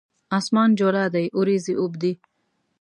اسمان جولا دی اوریځې اوبدي